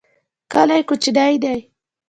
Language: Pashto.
کلی کوچنی دی.